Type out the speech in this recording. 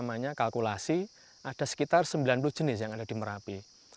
namanya kalkulasi ada sekitar sembilan puluh jenis yang ada di merapi